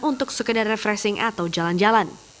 untuk sekedar refreshing atau jalan jalan